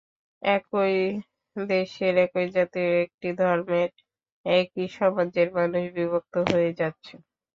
একই দেশের, একই জাতির, একই ধর্মের, একই সমাজের মানুষ বিভক্ত হয়ে যাচ্ছে।